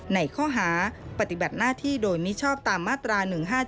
ในข้อหาปฏิบัติหน้าที่โดยมิชอบตามมาตรา๑๕๗